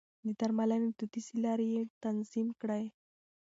د درملنې دوديزې لارې يې تنظيم کړې.